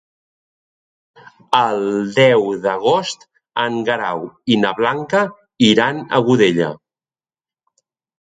El deu d'agost en Guerau i na Blanca iran a Godella.